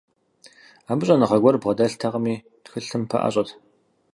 Абы щӀэныгъэ гуэри бгъэдэлътэкъыми, тхылъым пэӀэщӀэт.